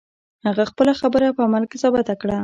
هغه خپله خبره په عمل کې ثابته کړه.